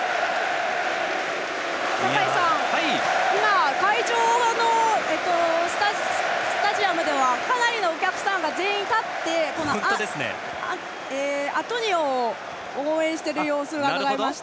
酒井さん、今スタジアムではかなりのお客さんが全員立ってアトニオを応援している様子がありました。